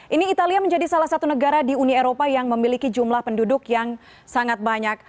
ini italia menjadi salah satu negara di uni eropa yang memiliki jumlah penduduk yang sangat banyak